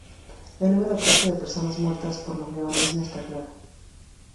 El número exacto de personas muertas por los leones no está claro.